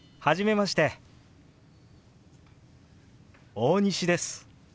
大西です。